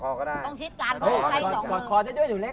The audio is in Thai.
กอดคอได้ด้วยหนูเล็ก